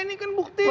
ini kan buktinya